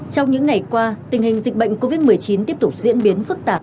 trong những ngày qua tình hình dịch bệnh covid một mươi chín tiếp tục diễn biến phức tạp